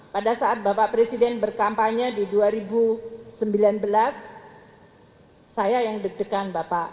pada saat bapak presiden berkampanye di dua ribu sembilan belas saya yang deg degan bapak